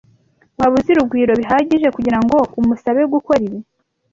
Waba uzi Rugwiro bihagije kugirango umusabe gukora ibi?